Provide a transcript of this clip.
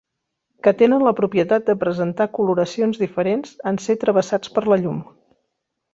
Que tenen la propietat de presentar coloracions diferents en ser travessats per la llum.